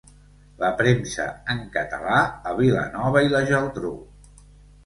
La premsa en català a Vilanova i la Geltrú.